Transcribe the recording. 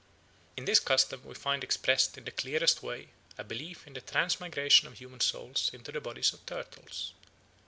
"'" In this custom we find expressed in the clearest way a belief in the transmigration of human souls into the bodies of turtles.